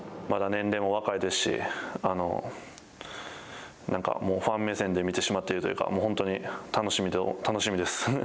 まだ年齢も若いですし、なんかもうファン目線で見てしまっているというか、本当に楽しみです。